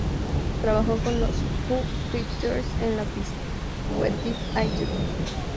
Trabajó con los Foo Fighters en la pista "What Did I Do?